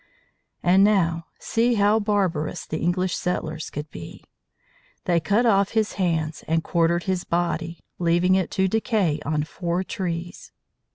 And now, see how barbarous the English settlers could be. They cut off his hands and quartered his body, leaving it to decay on four trees.